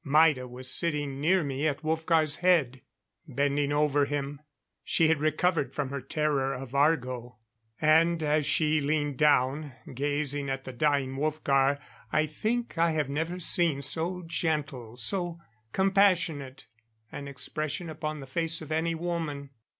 Maida was sitting near me at Wolfgar's head, bending over him. She had recovered from her terror of Argo; and as she leaned down, gazing at the dying Wolfgar, I think I have never seen so gentle, so compassionate an expression upon the face of any woman.